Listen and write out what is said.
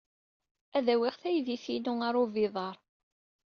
Ad awiɣ taydit-inu ɣer ubiḍar.